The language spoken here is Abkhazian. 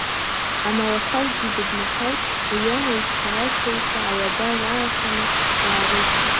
Амалахазгьы идыдмырҳаит, уимоу ицҳаражәҳәаҩцәа алаба раарханы иаарышьҭит.